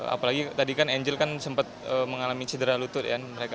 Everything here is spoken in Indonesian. apalagi tadi kan angel kan sempat mengalami cedera lutut ya